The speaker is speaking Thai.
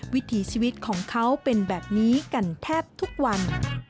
วิถีชีวิตของเขาเป็นแบบนี้กันแทบทุกวัน